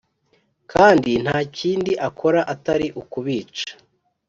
kandi ntakindi akora atari ukubica